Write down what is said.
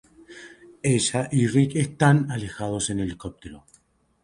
Ella y Rick están alejados en helicóptero.